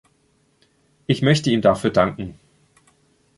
Ich möchte ihm dafür danken.